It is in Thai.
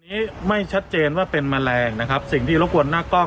มันมันมันมันมันมันมันมันมันมันมันมันมันมันมัน